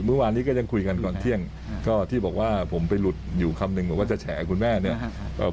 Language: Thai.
เมื่อวานนี้ก็ยังคุยกันก่อนเที่ยงก็ที่บอกว่าผมไปหลุดอยู่คำนึงบอกว่าจะแฉคุณแม่เนี่ยเอ่อ